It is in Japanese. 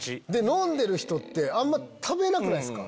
飲んでる人ってあんま食べなくないっすか？